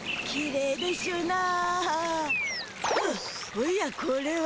おやこれは？